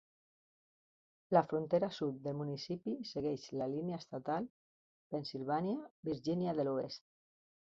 La frontera sud del municipi segueix la línia estatal Pennsilvània-Virgínia de l'Oest.